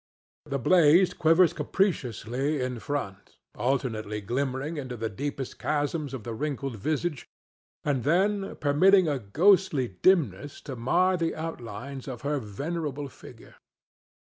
The blaze quivers capriciously in front, alternately glimmering into the deepest chasms of her wrinkled visage, and then permitting a ghostly dimness to mar the outlines of her venerable figure.